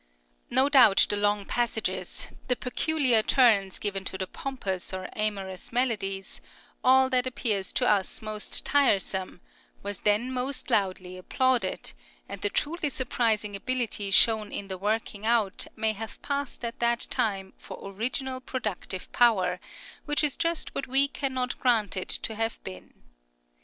No doubt the long passages, the peculiar turns given to the pompous or amorous melodies, all that appears to us most tiresome was then most loudly applauded, and the truly surprising ability shown in the working out may have passed at that time for original productive power, which is just what we cannot grant it to have been.